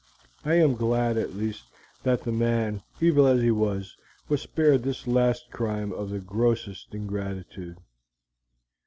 I am glad, at least, that the man, evil as he was, was spared this last crime of the grossest ingratitude."